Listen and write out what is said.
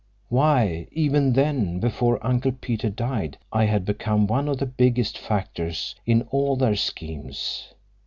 "Why, even then, before Uncle Peter died, I had become one of the biggest factors in all their schemes.